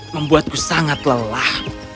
membuatku sangat lelah